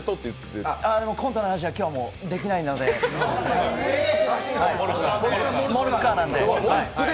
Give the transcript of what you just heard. いや、コントの話は今日できないので、モルッカーなんで。